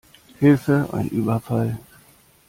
Hilfe ein Überfall!